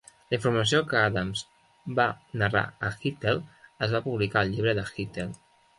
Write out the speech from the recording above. La informació que Adams va narrar a Hittell es va publicar al llibre de Hittell.